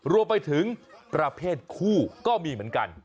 รวมไปถึงประเภทคู่ก็มีเหมือนกัน